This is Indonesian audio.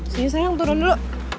sini sayang turun dulu